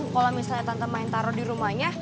kalau misalnya tante main taruh di rumahnya